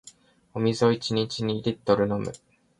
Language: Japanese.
お水を一日二リットル飲む